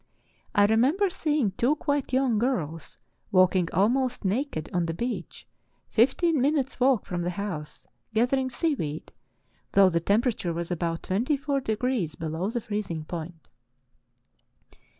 I remember seeing two quite young girls walking almost naked on the beach, fifteen minutes' walk from the house, gathering sea weed, though the temperature was about twenty four degrees below the freezing point."